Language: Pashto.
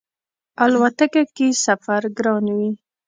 الوتکه کی سفر ګران وی